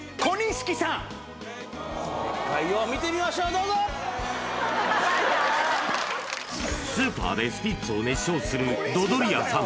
正解を見てみましょうどうぞスーパーでスピッツを熱唱するドドリアさん